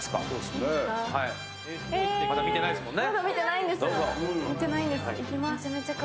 まだ見てないですもんね。